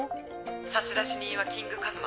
差出人はキングカズマ。